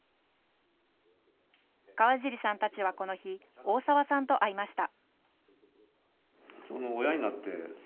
河尻さんたちはこの日、大澤さんと会いました。